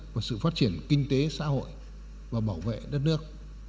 của sự phát triển kinh tế xã hội và bảo vệ đất nước